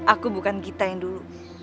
aku bukan kita yang dulu